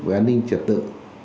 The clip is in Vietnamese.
về an ninh trật tự